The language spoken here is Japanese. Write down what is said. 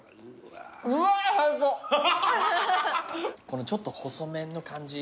このちょっと細麺の感じ。